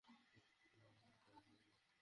তোমাকে এরজন্য টাকা দেওয়া হবে না।